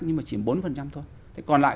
nhưng mà chiếm bốn mươi thôi còn lại